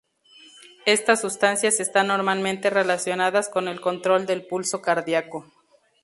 Estas sustancias están normalmente relacionadas con el control del pulso cardíaco.